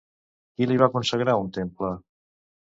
Qui li va consagrar un temple?